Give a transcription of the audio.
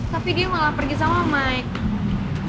tapi dia malah pergi sama mike